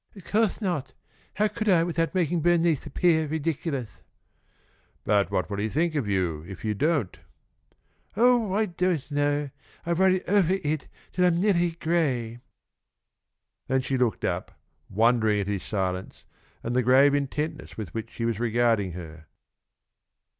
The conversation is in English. "Of co'se not! How could I without making Bernice appeah ridiculous?" "But what will he think of you, if you don't?" "Oh, I don't know! I've worried ovah it until I'm neahly gray." Then she looked up, wondering at his silence and the grave intentness with which he was regarding her.